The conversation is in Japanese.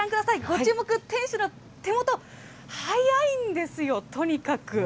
ご注目、店主の手元、速いんですよ、とにかく。